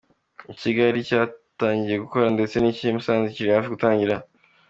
Icy’i Kigali cyatangiye gukora ndetse n’icy’i Musanze kiri hafi gutangira.